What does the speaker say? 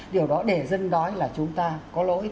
điều đó để dân nói là chúng ta có lỗi